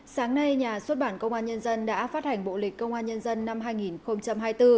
sáng nay nhà xuất bản công an nhân dân đã phát hành bộ lịch công an nhân dân năm hai nghìn hai mươi bốn